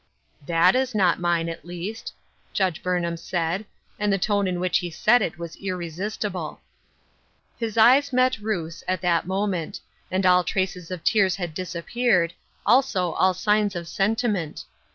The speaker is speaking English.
" TJiat is not mine, at least," Judge Burnham said, and the tone in which he said it was irresist ible. His eyes met Ruth's at that moment, and all traces of tears had disappeared, also all signs of sentiment.